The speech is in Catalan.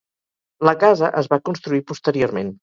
La casa es va construir posteriorment.